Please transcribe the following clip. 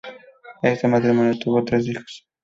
Este matrimonio tuvo tres hijos.